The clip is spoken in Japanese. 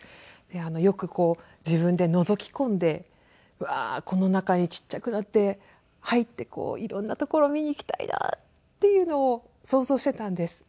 よく自分でのぞき込んでうわーこの中にちっちゃくなって入って色んな所を見に行きたいなっていうのを想像していたんです。